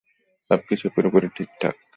সবকিছু পুরোপুরি ঠিকঠাক।